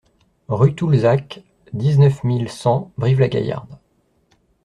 Rue Toulzac, dix-neuf mille cent Brive-la-Gaillarde